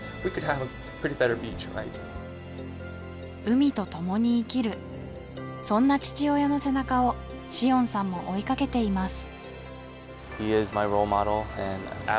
海と共に生きるそんな父親の背中をシオンさんも追いかけています